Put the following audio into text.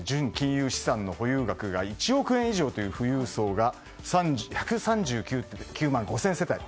融資産の保有額が１億円以上という富裕層が１３９万５０００世帯。